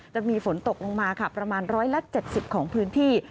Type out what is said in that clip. จะมีฝนตกลงมาค่ะประมาณร้อยและเจ็ดสิบของพื้นที่